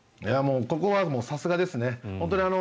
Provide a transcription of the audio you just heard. ここはさすがですね。